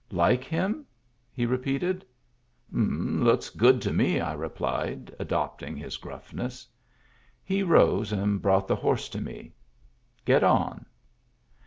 "Like him ?" he repeated. " Looks good to me," I replied, adopting his grufifness. He rose and brought the horse to me, " Get on.